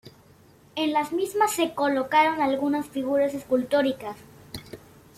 En las mismas se colocaron algunas figuras escultóricas.